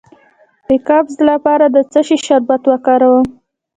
د قبضیت لپاره د څه شي شربت وکاروم؟